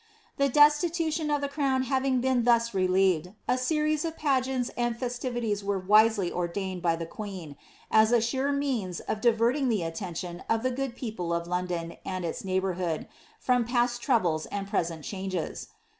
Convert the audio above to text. The destitutioa of the crown having been thus relieved, a series of pigeaats and festivities were wisely ordained by the queen, as a sure ■eaiw of diverting the attention of the good people of London and its ■ei^boarhood, from past troubles and present changes.